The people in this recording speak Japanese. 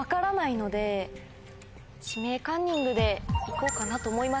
「指名カンニング」で行こうかなと思います。